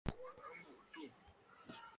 A kɔʼɔ aa a mbùʼû àtû.